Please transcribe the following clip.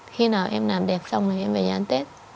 khi nào em làm đẹp xong thì em về ăn tết